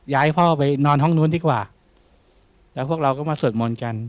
ให้พ่อไปนอนห้องนู้นดีกว่าแล้วพวกเราก็มาสวดมนต์กัน